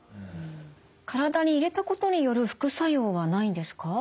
体に入れたことによる副作用はないんですか？